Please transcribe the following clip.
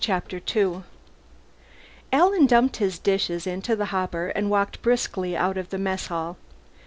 Chapter Two Alan dumped his breakfast dishes into the hopper and walked briskly out of the mess hall.